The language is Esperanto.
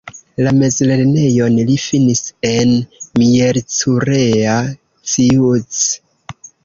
La mezlernejon li finis en Miercurea Ciuc.